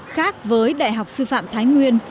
khác với đại học sư phạm thái nguyên